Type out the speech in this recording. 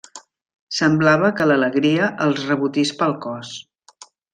Semblava que l'alegria els rebotís pel cos.